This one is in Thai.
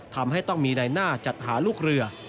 ทำให้ต้องมีในหน้าจัดหาลูกเรือ